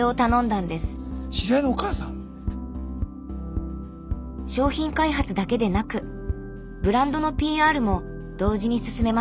知り合いのお母さん⁉商品開発だけでなくブランドのＰＲも同時に進めました。